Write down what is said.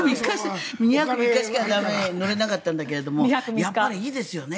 ２泊３日しか乗れなかったんだけどもやはりいいですよね。